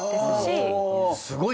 すごい。